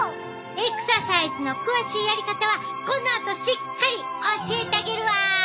エクササイズの詳しいやり方はこのあとしっかり教えたげるわ！